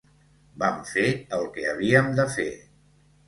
Vam fer el que havíem de fer.